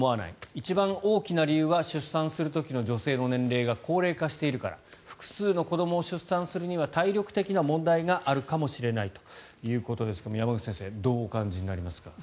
一番大きな理由は出産する時の女性の年齢が高齢化しているから複数の子どもを出産するには体力的な問題があるかもしれないということですが山口先生どうお感じになりますか。